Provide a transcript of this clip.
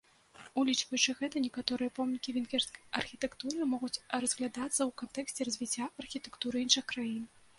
Улічваючы гэта, некаторыя помнікі венгерскай архітэктуры могуць разглядацца ў кантэксце развіцця архітэктуры іншых краін.